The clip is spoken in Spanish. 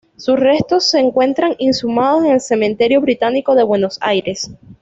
Sus restos se encuentran inhumados en el Cementerio Británico de Buenos Aires.